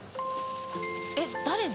えっ誰の？